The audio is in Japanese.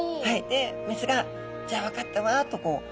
で雌が「じゃあ分かったわ」とこう。